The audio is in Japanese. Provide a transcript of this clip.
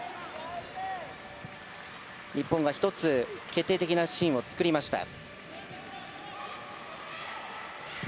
日本は１つ決定的なシーンを作りました。